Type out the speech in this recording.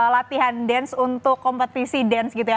latihan dance untuk kompetisi dance gitu ya